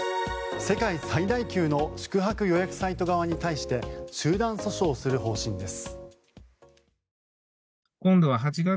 世界最大級の宿泊予約サイト側に対して集団訴訟する方針です。